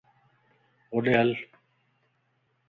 ھوڏي ھل